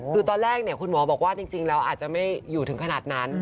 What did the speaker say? คือตอนแรกคุณหมอบอกว่าจริงแล้วอาจจะไม่อยู่ถึงขนาดนั้น